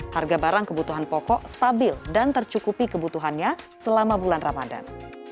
harga barang kebutuhan pokok stabil dan tercukupi kebutuhannya selama bulan ramadan